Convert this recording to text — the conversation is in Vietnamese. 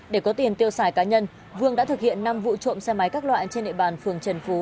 để có tiền tiêu xài cá nhân vương đã thực hiện năm vụ trộm xe máy các loại trên địa bàn phường trần phú